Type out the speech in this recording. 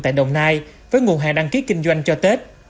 tại đồng nai với nguồn hàng đăng ký kinh doanh cho tết